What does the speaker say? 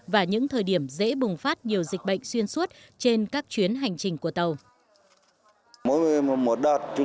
và những thời điểm dễ bùng phát nhiều dịch bệnh xuyên suốt trên các chuyến hành trình của tàu